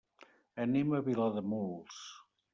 Anem a Vilademuls.